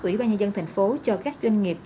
ủy ban nhà dân tp hcm cho các doanh nghiệp